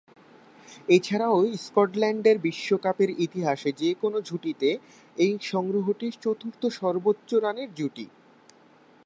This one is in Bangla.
এছাড়াও স্কটল্যান্ডের বিশ্বকাপের ইতিহাসে যে-কোন জুটিতে এ সংগ্রহটি চতুর্থ সর্বোচ্চ রানের জুটি।